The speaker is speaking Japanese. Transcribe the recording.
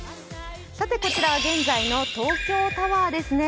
こちらは現在の東京タワーですね。